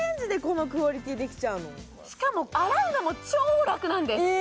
しかも洗うのも超楽なんです